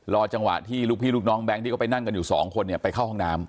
จังหวะที่ลูกพี่ลูกน้องแก๊งที่เขาไปนั่งกันอยู่สองคนเนี่ยไปเข้าห้องน้ำ